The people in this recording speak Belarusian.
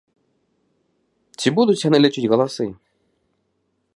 Ці будуць яны лічыць галасы?